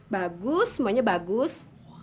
bagus semuanya bagus